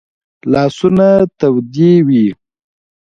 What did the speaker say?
لاسونه تودې وي